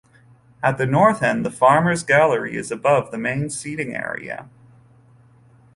At the north end, the Farmer's Gallery is above the main seating area.